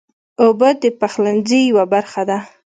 اوبه د پخلنځي یوه برخه ده.